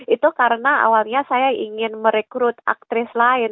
itu karena awalnya saya ingin merekrut aktris lain